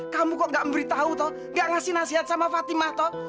kamu kok gak memberitahu toh gak ngasih nasihat sama fatimah toh